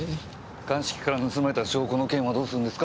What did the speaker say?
鑑識から盗まれた証拠の件はどうするんですか？